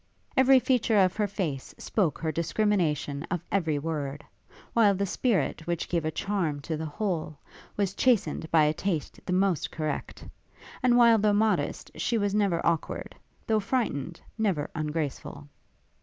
Every feature of her face spoke her discrimination of every word; while the spirit which gave a charm to the whole, was chastened by a taste the most correct; and while though modest she was never awkward; though frightened, never ungraceful.